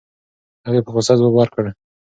هغې په غوسه ځواب ورکړ.